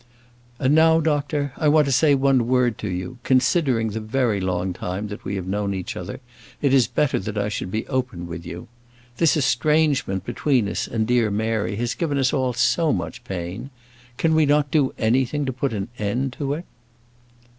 "And now, doctor, I want to say one word to you; considering the very long time that we have known each other, it is better that I should be open with you. This estrangement between us and dear Mary has given us all so much pain. Cannot we do anything to put an end to it?"